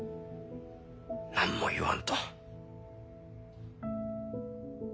何も言わんと。